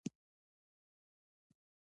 د ماشومانو نيا په پخلنځي کې پياز ټوټه کول.